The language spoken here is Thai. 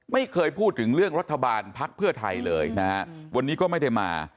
ไม่เคยพูดถึงเรื่องรัฐบาลภักดิ์เพื่อไทยเลยนะฮะวันนี้ก็ไม่ได้มา